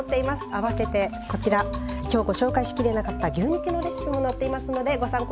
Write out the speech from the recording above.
あわせてこちら今日ご紹介しきれなかった牛肉のレシピも載っていますのでご参考になさって下さい。